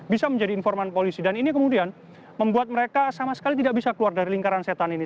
bisa menjadi informan polisi dan ini kemudian membuat mereka sama sekali tidak bisa keluar dari lingkaran setan ini